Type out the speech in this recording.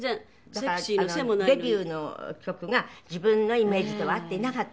デビューの曲が自分のイメージとは合っていなかった。